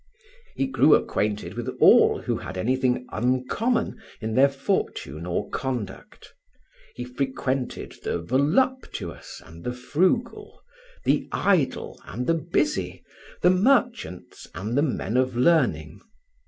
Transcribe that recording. He grew acquainted with all who had anything uncommon in their fortune or conduct. He frequented the voluptuous and the frugal, the idle and the busy, the merchants and the men of learning.